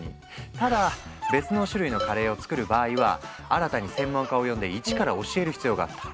ただ別の種類のカレーを作る場合は新たに専門家を呼んで一から教える必要があった。